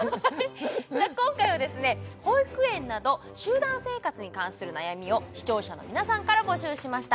今回は保育園など集団生活に関する悩みを視聴者の皆さんから募集しました